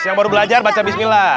yang baru belajar baca bismillah